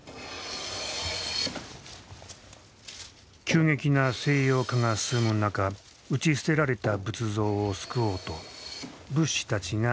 急激な西洋化が進む中打ち捨てられた仏像を救おうと仏師たちが集められた。